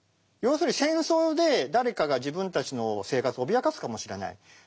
要するに戦争で誰かが自分たちの生活を脅かすかもしれない。